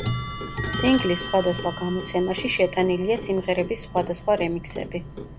სინგლის სხვადასხვა გამოცემაში შეტანილია სიმღერების სხვადასხვა რემიქსები.